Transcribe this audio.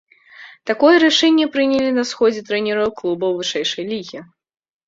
Такое рашэнне прынялі на сходзе трэнераў клубаў вышэйшай лігі.